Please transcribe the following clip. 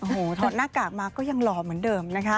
โอ้โหถอดหน้ากากมาก็ยังหล่อเหมือนเดิมนะคะ